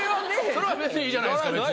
それは別にいいじゃないですか別に。